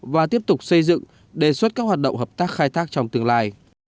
và tiếp tục xây dựng đề xuất các hoạt động hợp tác khai thác trong tương lai